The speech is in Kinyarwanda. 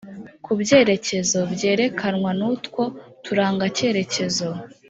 ku byerekezo byerekanwa n'utwo turangacyerekezo